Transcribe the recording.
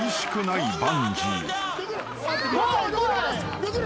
できる。